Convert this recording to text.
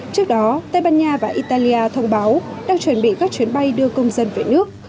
trước đó tây ban nha và italia thông báo đang chuẩn bị các chuyến bay đưa công dân về nước